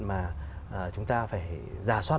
mà chúng ta phải giả soát